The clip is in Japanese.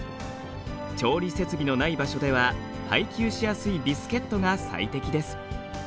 調理設備の無い場所では配給しやすいビスケットが最適です。